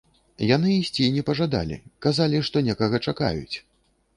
Яны ісці не пажадалі, казалі, што некага чакаюць!